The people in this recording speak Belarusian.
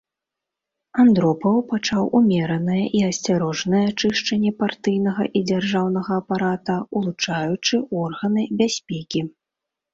Андропаў пачаў умеранае і асцярожнае чышчанне партыйнага і дзяржаўнага апарата, улучаючы органы бяспекі.